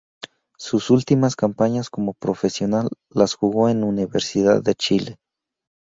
Sus últimas campañas como profesional las jugó en Universidad de Chile.